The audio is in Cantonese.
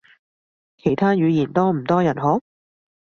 其他語言多唔多人學？